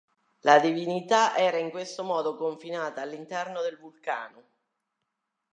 La divinità era in questo modo confinata all'interno del vulcano.